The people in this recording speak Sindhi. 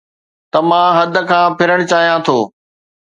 ته مان حد کان ڦرڻ چاهيان ٿو